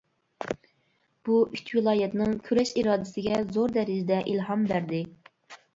بۇ ئۈچ ۋىلايەتنىڭ كۈرەش ئىرادىسىگە زور دەرىجىدە ئىلھام بەردى.